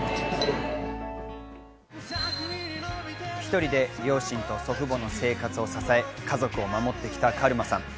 １人で両親と祖父母の生活を支え、家族を守ってきたカルマさん。